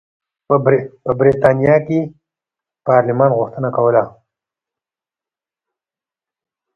په برېټانیا کې پارلمان غوښتنه کوله.